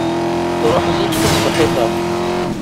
Nṛuḥ zik tasebḥit-a.